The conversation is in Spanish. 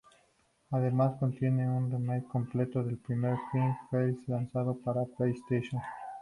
Además contiene un remake completo del primer King´s Field lanzado para PlayStation.